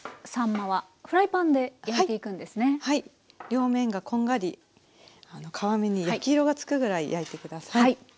両面がこんがり皮目に焼き色が付くぐらい焼いて下さい。